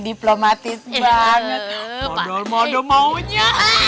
diplomatis banget pada maunya